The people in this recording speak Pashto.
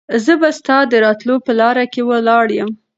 زه به ستا د راتلو په لاره کې ولاړ یم.